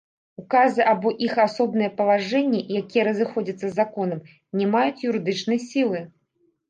Указы або іх асобныя палажэнні, якія разыходзяцца з законам, не маюць юрыдычнай сілы.